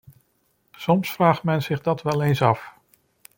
Soms vraagt men zich dat wel eens af.